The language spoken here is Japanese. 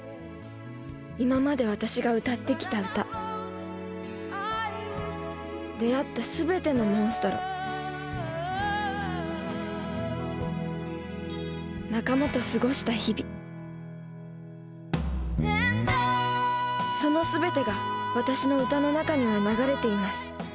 今まで私が歌ってきた歌出会ったすべてのモンストロ仲間と過ごした日々そのすべてが私の歌の中には流れています。